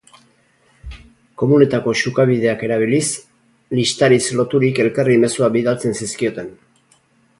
Komunetako xukabideak erabiliz, listariz loturik elkarri mezuak bidaltzen zizkioten.